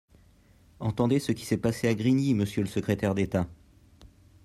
Entendez ce qui s’est passé à Grigny, monsieur le secrétaire d’État